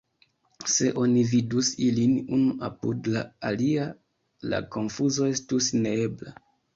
Se oni vidus ilin unu apud la alia, la konfuzo estus neebla.